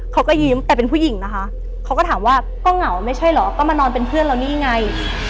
เขาก็ยิ้มแต่เป็นผู้หญิงนะคะเขาก็ถามว่าก็เหงาไม่ใช่เหรอก็มานอนเป็นเพื่อนเรานี่ไง